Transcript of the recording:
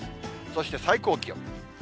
そして最高気温。